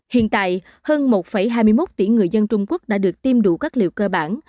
hiện tại hơn một hai mươi một tỷ người dân trung quốc đã được tiêm đủ các liệu cơ bản